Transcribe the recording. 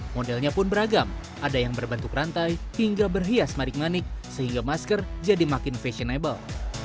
modelnya pun beragam ada yang berbentuk rantai hingga berhias manik manik sehingga masker jadi makin fashionable